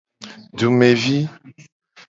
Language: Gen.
Dumevi.